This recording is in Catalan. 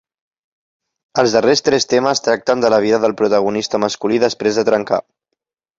Els darrers tres temes tracten de la vida del protagonista masculí després de trencar.